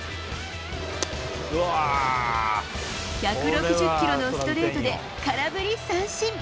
１６０キロのストレートで空振り三振。